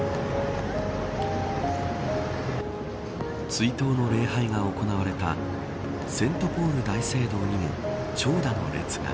追悼の礼拝が行われたセントポール大聖堂にも長蛇の列が。